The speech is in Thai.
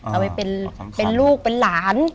เอาไปเป็นลูกเป็นหลาน